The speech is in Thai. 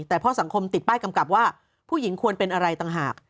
แต่เพราะสังคมติดป้ายกำกับว่าผู้หญิงควรเป็นอะไรต่างหาก